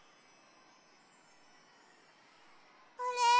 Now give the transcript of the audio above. あれ？